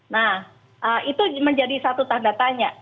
nah itu menjadi satu tanda tanya